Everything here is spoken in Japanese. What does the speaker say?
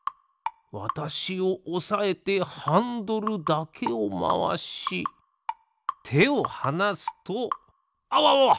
わたしをおさえてハンドルだけをまわしてをはなすとあわわわ！